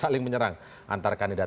saling menyerang antar kandidat